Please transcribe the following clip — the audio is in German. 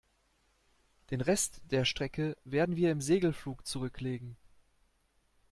Den Rest der Strecke werden wir im Segelflug zurücklegen.